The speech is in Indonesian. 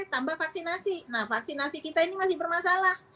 tiga m tiga t tambah vaksinasi nah vaksinasi kita ini masih bermasalah